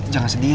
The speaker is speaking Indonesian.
jangan sedih ya